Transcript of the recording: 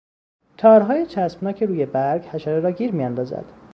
تارهای چسبناک روی برگ، حشره را گیر میاندازد.